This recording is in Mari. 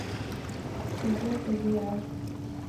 Кузе тыге, а?